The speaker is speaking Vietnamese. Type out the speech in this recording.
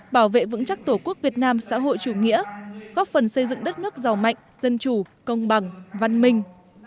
bảo vệ vững chắc tổ quốc việt nam xã hội chủ nghĩa góp phần xây dựng đất nước giàu mạnh dân chủ công bằng văn minh